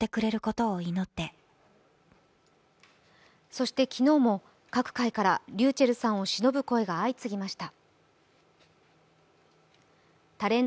そして、昨日も各界からｒｙｕｃｈｅｌｌさんをしのぶ声が相次ぎました。